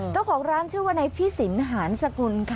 ต้องของร้านชื่อวนัยพี่สินฮานสกุลค่ะ